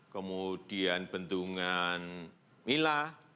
kemudian bendungan mila